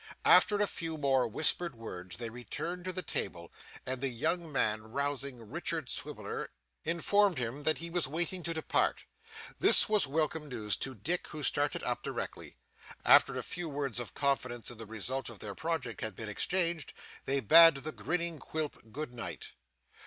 After a few more whispered words, they returned to the table, and the young man rousing Richard Swiveller informed him that he was waiting to depart. This was welcome news to Dick, who started up directly. After a few words of confidence in the result of their project had been exchanged, they bade the grinning Quilp good night.